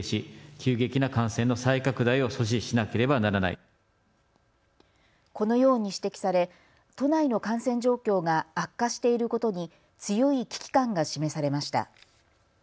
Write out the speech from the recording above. このように指摘され都内の感染状況が悪化していることに強い危機感が示されました。